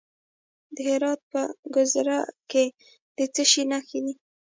د هرات په ګذره کې د څه شي نښې دي؟